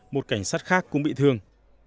một cảnh sát khác cũng bị thương